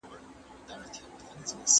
تخلص مو سم ولیکئ.